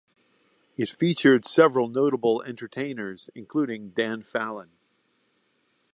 It featured several notable entertainers, including Dan Fallon.